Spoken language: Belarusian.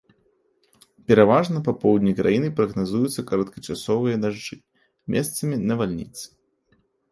Пераважна па поўдні краіны прагназуюцца кароткачасовыя дажджы, месцамі навальніцы.